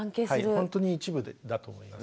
ほんとに一部だと思います。